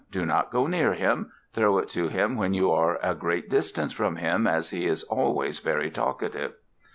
Do not go near him! Throw it to him when you are a great distance from him, as he is always very talkative."